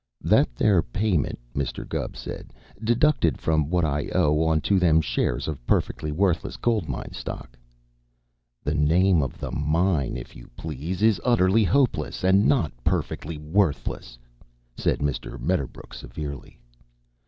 "That there payment," Mr. Gubb said, "deducted from what I owe onto them shares of Perfectly Worthless Gold Mine Stock " "The name of the mine, if you please, is Utterly Hopeless and not Perfectly Worthless," said Mr. Medderbrook severely.